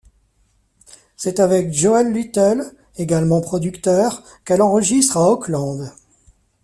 C’est avec Joel Little, également producteur, qu'elle enregistre à Auckland.